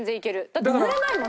だってぬれないもん